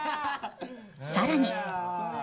更に。